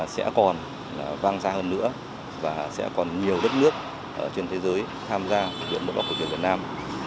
sẽ còn vang xa hơn nữa và sẽ còn nhiều đất nước trên thế giới tham gia kiếm đoàn võ cổ truyền việt nam